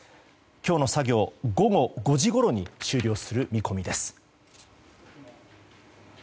今日の作業、午後５時ごろに終了する見込みです。